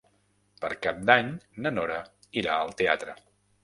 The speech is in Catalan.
Per Cap d'Any na Nora irà al teatre.